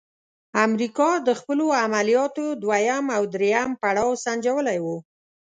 امریکا د خپلو عملیاتو دوهم او دریم پړاو سنجولی وو.